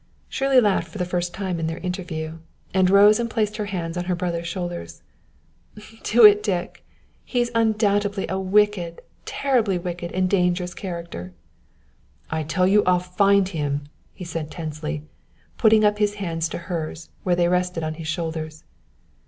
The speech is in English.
Shirley laughed for the first time in their interview, and rose and placed her hands on her brother's shoulders. "Do it, Dick! He's undoubtedly a wicked, a terribly wicked and dangerous character." "I tell you I'll find him," he said tensely, putting up his hands to hers, where they rested on his shoulders.